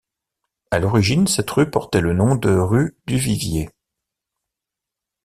À l’origine, cette rue portait le nom de rue du Vivier.